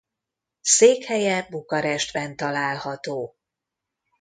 Székhelye Bukarestben található.